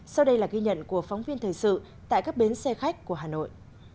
sau đây là ghi nhận của phóng viên thời sự tại các bến xe khách của hà nội